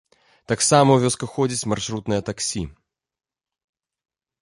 Таксама ў вёску ходзіць маршрутнае таксі.